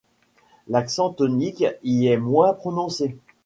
L'accent tonique y est moins prononcé.